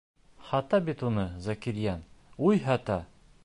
Һата бит уны Зәкирйән, уй, һата!